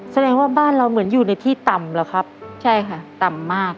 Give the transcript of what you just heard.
แสดงว่าบ้านเราเหมือนอยู่ในที่ต่ำเหรอครับใช่ค่ะต่ำมาก